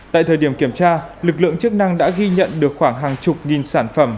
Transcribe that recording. tại thời điểm kiểm tra lực lượng chức năng đã ghi nhận được khoảng hàng chục nghìn sản phẩm